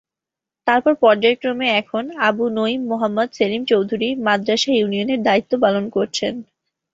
তারপর পর্যায়ক্রমে এখন আবু নঈম মোহাম্মদ সেলিম চৌধুরী মাদার্শা ইউনিয়নের দায়িত্ব পালন করছেন।